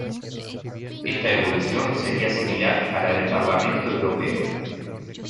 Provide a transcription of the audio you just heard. Esta evolución sería similar a la del Parlamento Europeo.